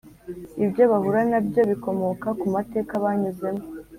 ibyo bahura nabyo bikomoka ku mateka banyuzemo